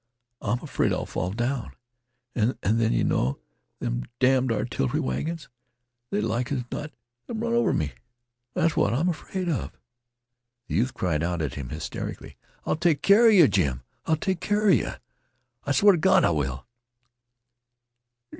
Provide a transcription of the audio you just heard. I 'm 'fraid I 'll fall down an' then yeh know them damned artillery wagons they like as not 'll run over me. That 's what I 'm 'fraid of " The youth cried out to him hysterically: "I 'll take care of yeh, Jim! I'll take care of yeh! I swear t' Gawd I will!"